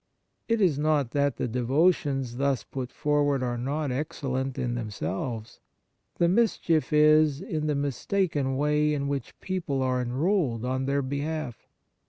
It is not that the devotions thus put forward are not excellent in 58 Devotions themselves ; the mischief is in the mistaken way in which people are enrolled on their behalf.